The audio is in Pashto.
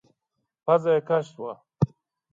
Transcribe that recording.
پزه يې کش شوه.